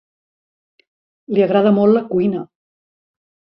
Li agrada molt la cuina.